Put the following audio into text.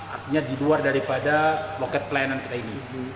artinya di luar daripada loket pelayanan kita ini